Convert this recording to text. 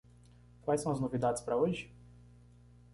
Quais são as novidades para hoje?